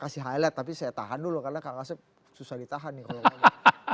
kalau saya kasih highlight tapi saya tahan dulu karena kang asyaf susah ditahan nih kalau ngomong